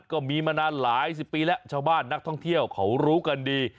ก็มีมานานหลายสิบปีแล้วชาวบ้านนักท่องเที่ยวเขารู้กันดี